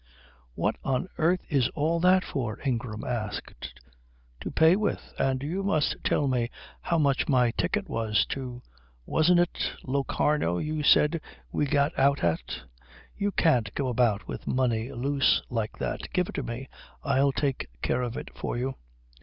"What on earth is all that for?" Ingram asked. "To pay with. And you must tell me how much my ticket was to wasn't it Locarno you said we got out at?" "You can't go about with money loose like that. Give it to me. I'll take care of it for you."